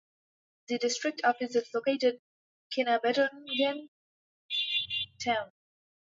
The district office is located in Kinabatangan town.